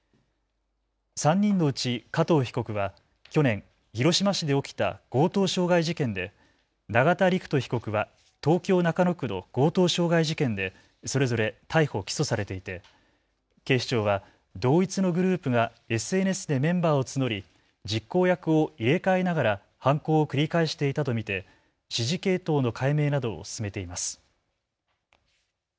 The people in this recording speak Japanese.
３人のうち加藤被告は去年、広島市で起きた強盗傷害事件で、永田陸人被告は東京中野区の強盗傷害事件でそれぞれ逮捕・起訴されていて警視庁は同一のグループがＳＮＳでメンバーを募り実行役を入れ替えながら犯行を繰り返していたと見て指示系統の解明などを進めています。